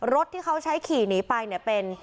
รถที่เขาใช้ขี่หนีไปเนี่ยเป็น